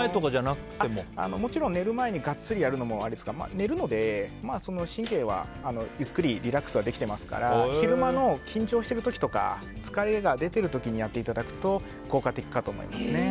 もちろん寝る前にガッツリやるのもあれですが寝るので、神経はゆっくりリラックスはできてますから昼間の緊張してる時とか疲れが出てる時にやっていただくと効果的かと思いますね。